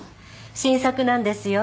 新作なんですよ。